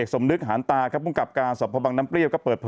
เอกสมลึกหานตาครับภูมิกับการศพภพภพังน้ำเปรี้ยว